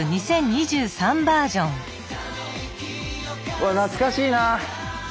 うわ懐かしいな。